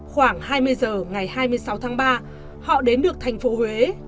khoảng hai mươi giờ ngày hai mươi sáu tháng ba họ đến được thành phố huế